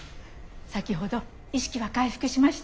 先ほど意識は回復しました。